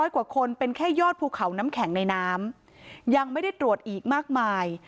กว่าคนเป็นแค่ยอดภูเขาน้ำแข็งในน้ำยังไม่ได้ตรวจอีกมากมาย